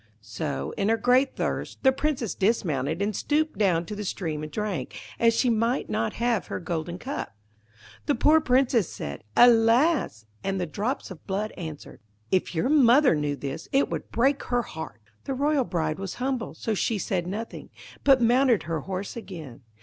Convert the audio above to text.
So, in her great thirst, the Princess dismounted and stooped down to the stream and drank, as she might not have her golden cup. The poor Princess said, 'Alas!' and the drops of blood answered, 'If your mother knew this, it would break her heart.' The royal bride was humble, so she said nothing, but mounted her horse again.